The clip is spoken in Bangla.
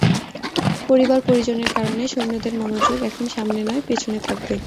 পরিবার-পরিজনের কারণে সৈন্যদের মনোযোগ এখন সামনে নয়, পেছনে থাকবে।